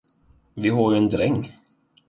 Och vi har ju en dräng.